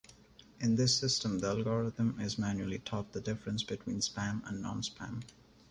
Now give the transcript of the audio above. In this system, the algorithm is manually taught the differences between spam and non-spam.